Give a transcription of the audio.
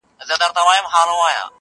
o پردى اور تر واورو سوړ دئ٫